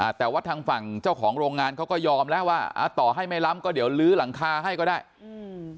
แต่ว่าทางฝั่งเจ้าของโรงงานเขาก็ยอมแล้วว่าอ่าต่อให้ไม่ล้ำก็เดี๋ยวลื้อหลังคาให้ก็ได้อืม